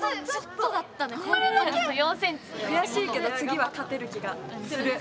くやしいけど次は勝てる気がする。